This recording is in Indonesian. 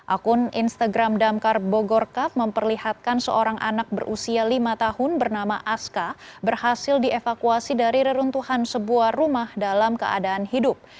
akun instagram damkar bogorkap memperlihatkan seorang anak berusia lima tahun bernama aska berhasil dievakuasi dari reruntuhan sebuah rumah dalam keadaan hidup